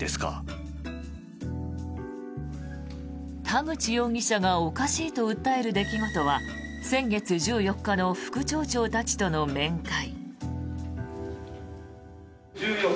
田口容疑者がおかしいと訴える出来事は先月１４日の副町長たちとの面会。